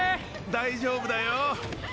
大丈夫だよー！